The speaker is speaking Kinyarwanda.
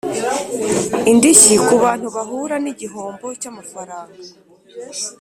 indishyi ku bantu bahura n igihombo cy amafaranga